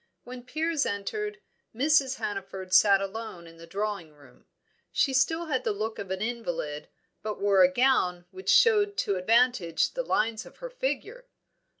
When Piers entered, Mrs. Hannaford sat alone in the drawing room; she still had the look of an invalid, but wore a gown which showed to advantage the lines of her figure.